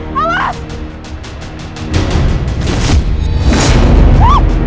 yah abis lagi